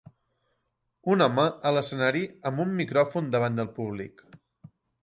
Un home a l'escenari amb un micròfon davant del públic.